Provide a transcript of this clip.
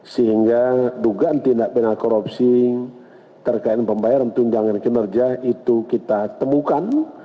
sehingga dugaan tindak pindah korupsi terkait pembayaran tunjangan kinerja itu kita temukan